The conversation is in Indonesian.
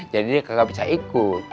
jadi dia kagak bisa ikut